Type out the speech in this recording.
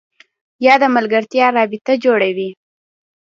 یا د ملګرتیا رابطه جوړوي